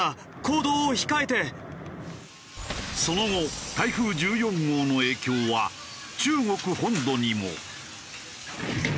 その後台風１４号の影響は中国本土にも。